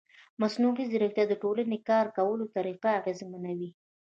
مصنوعي ځیرکتیا د ټولنې د کار کولو طریقه اغېزمنوي.